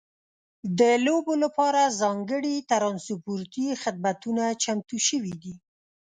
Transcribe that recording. د لوبو لپاره ځانګړي ترانسپورتي خدمتونه چمتو شوي دي.